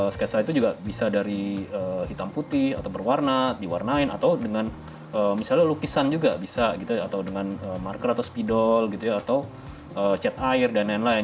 sketsa itu juga bisa dari hitam putih atau berwarna diwarnain atau dengan misalnya lukisan juga bisa gitu atau dengan marker atau spidol gitu ya atau cat air dan lain lain